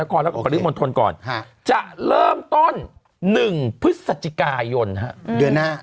แล้วก็กรุงประธิบัติภูมิมนตรก่อนจะเริ่มต้น๑พฤศจิกายน